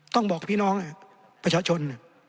ต้องบอกพี่น้องประชาชน